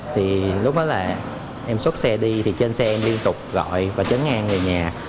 thì lúc đó là em xuất xe đi thì trên xe em liên tục gọi và chấn ngang về nhà